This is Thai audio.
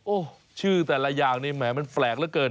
โอ้โหชื่อแต่ละอย่างนี้แหมมันแปลกเหลือเกิน